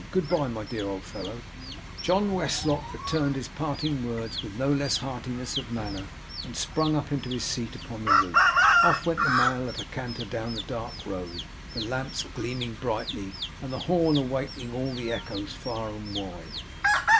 Good bye! my dear old fellow!' John Westlock returned his parting words with no less heartiness of manner, and sprung up to his seat upon the roof. Off went the mail at a canter down the dark road; the lamps gleaming brightly, and the horn awakening all the echoes, far and wide.